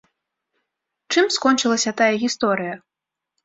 Чым скончылася тая гісторыя?